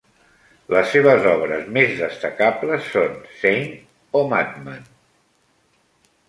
Les seves obres més destacables són Saint o Madman?